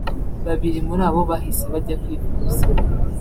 Babiri muri abo bahise bajya kwivuza